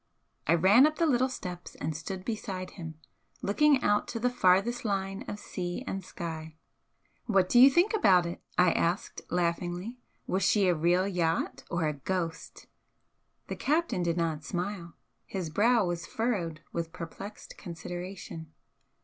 I ran up the little steps and stood beside him, looking out to the farthest line of sea and sky. "What do you think about it?" I asked, laughingly, "Was she a real yacht or a ghost?" The captain did not smile. His brow was furrowed with perplexed consideration.